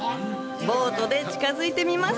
ボートで近づいてみます。